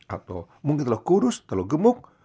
atau mungkin terlalu kurus terlalu gemuk